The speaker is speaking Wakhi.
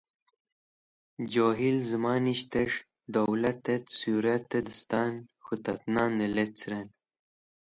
Johil zẽmanẽs̃h dowlatẽt sũratẽ dẽstan k̃hũ tat nanẽ lecrẽn